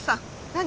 何？